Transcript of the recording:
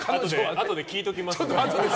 あとで聞いておきますね。